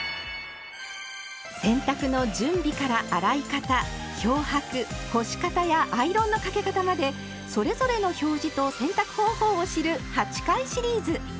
洗濯の準備から洗い方漂白干し方やアイロンのかけ方までそれぞれの表示と洗濯方法を知る８回シリーズ。